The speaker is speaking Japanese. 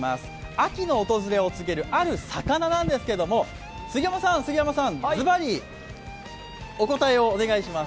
秋の訪れを告げる秋の魚なんですが杉山さん、杉山さん、ズバリお答えをお願いします。